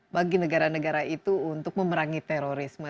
bagi negara negara itu untuk memerangi terorisme